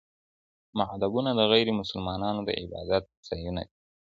معبدونه د غير مسلمانانو د عبادت ځايونه دي.